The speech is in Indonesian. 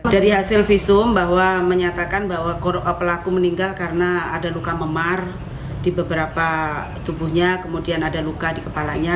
dari hasil visum bahwa menyatakan bahwa pelaku meninggal karena ada luka memar di beberapa tubuhnya kemudian ada luka di kepalanya